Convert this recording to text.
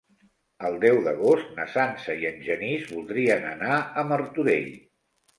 El deu d'agost na Sança i en Genís voldrien anar a Martorell.